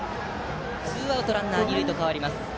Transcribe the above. ツーアウトランナー、二塁と変わります。